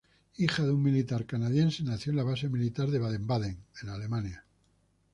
Hija de un militar canadiense, nació en la base militar de Baden-Baden, en Alemania.